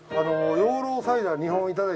養老サイダー？